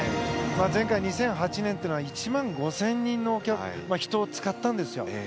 前回、２００８年というのは１万５０００人の人を使ったんですよ。